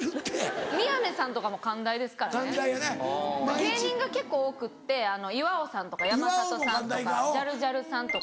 芸人が結構多くって岩尾さんとか山里さんとかジャルジャルさんとか。